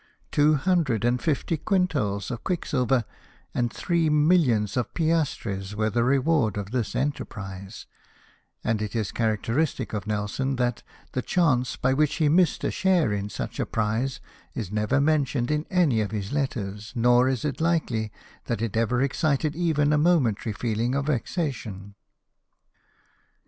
Two hundred and fifty quintals of quick silver, and three millions of piastres, were the reward of this enterprise ; and it is characteristic of Nelson that the chance by which he missed a share in such a prize is never mentioned in any of his letters, nor is it likely that it ever excited even a momentary feelingf of vexation.